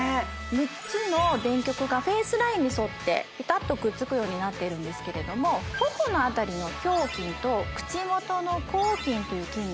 ６つの電極がフェイスラインに沿ってピタッとくっつくようになっているんですけれども頬の辺りの頬筋と口元の咬筋という筋肉